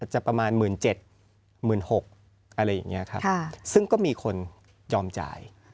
จะประมาณหมื่นเจ็ดหมื่นหกอะไรอย่างเงี้ยครับค่ะซึ่งก็มีคนยอมจ่าย